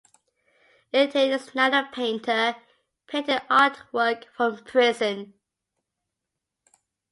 Etienne is now a painter, painting artwork from prison.